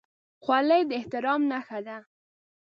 خولۍ د احترام نښه ده.